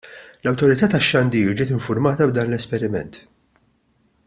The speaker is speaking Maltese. L-Awtorita' tax-Xandir ġiet infurmata b'dan l-esperiment.